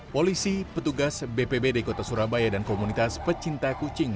polisi petugas bpbd kota surabaya dan komunitas pecinta kucing